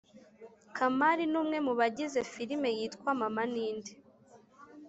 kamali numwe mubagize filime yitwa mama ninde